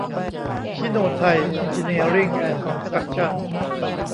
ซิโน-ไทย เอ็นจีเนียริ่งแอนด์คอนสตรัคชั่น